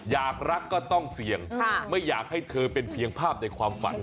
อยากรักก็ต้องเสี่ยงไม่อยากให้เธอเป็นเพียงภาพในความฝัน